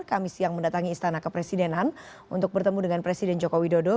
kami siang mendatangi istana kepresidenan untuk bertemu dengan presiden joko widodo